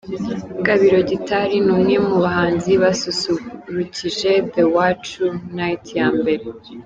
Gabiro Gitari ni umwe mu bahanzi basusurukije The Iwacu night ya mbere.